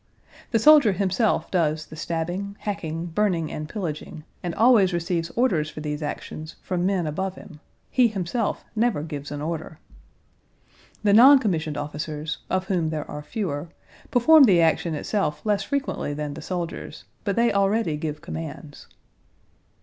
The soldier himself does the stabbing, hacking, burning, and pillaging, and always receives orders for these actions from men above him; he himself never gives an order. The noncommissioned officers (of whom there are fewer) perform the action itself less frequently than the soldiers, but they already give commands.